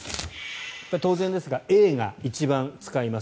当然ですがＡが一番使います。